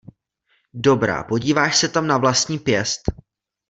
Dobrá, podíváš se tam na vlastní pěst.